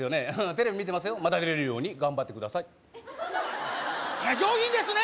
テレビ見てますよまた出れるように頑張ってください上品ですね！